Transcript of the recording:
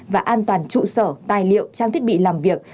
và an toàn trụ sở tài liệu trang thiết bị làm việc